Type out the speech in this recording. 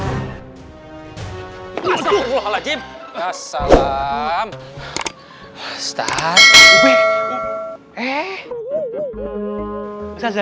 assalamualaikum waalaikumsalam ustazah ada makan udah